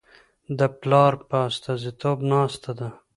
د پلار په استازیتوب ناسته ده.